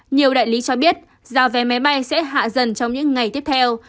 nhiều đại lý cho biết giá vé máy bay sẽ hạ dần trong những ngày tiếp theo